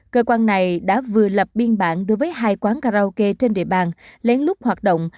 cơ quan này đã vừa lập biên bản đối với hai quán karaoke trên địa bàn lén lút hoạt động